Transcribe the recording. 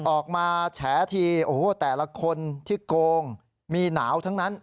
ออกมาแฉทีโอ้โหแต่ละคนที่โกงมีหนาวทั้งนั้น